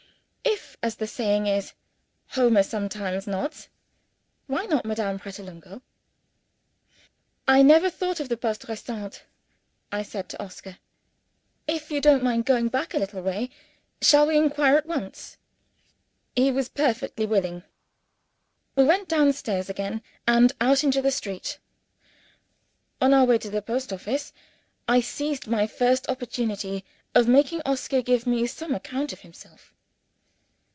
If, as the saying is, "Homer sometimes nods" why not Madame Pratolungo? "I never thought of the Poste Restante," I said to Oscar. "If you don't mind going back a little way, shall we inquire at once?" He was perfectly willing. We went downstairs again, and out into the street. On our way to the post office, I seized my first opportunity of making Oscar give me some account of himself.